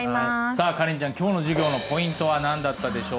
さあカレンちゃん今日の授業のポイントは何だったでしょう？